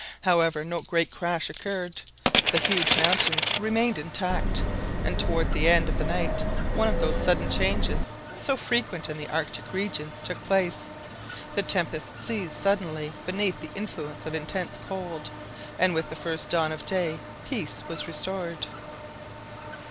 However, no great crash occurred, the huge mountains remained intact, and towards the end of the night one of those sudden changes so frequent in the Arctic regions took place; the tempest ceased suddenly beneath the influence of intense cold, and with the first dawn of day peace was restored.